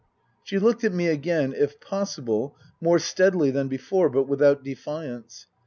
She looked at me again, if possible, more steadily than before, but without defiance.